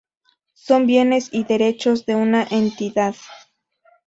Son bienes y derechos de una entidad.